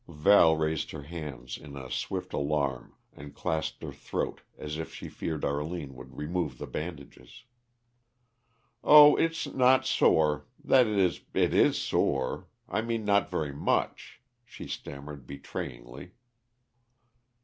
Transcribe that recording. Val raised her hands in a swift alarm and clasped her throat as if she feared Arline would remove the bandages. "Oh, it's not sore that is, it is sore I mean not very much," she stammered betrayingly.